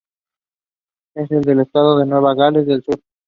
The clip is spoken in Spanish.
Es el del estado de Nueva Gales del Sur.